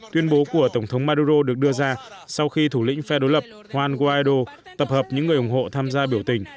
tuyên bố của tổng thống maduro được đưa ra sau khi thủ lĩnh phe đối lập juan guaido tập hợp những người ủng hộ tham gia biểu tình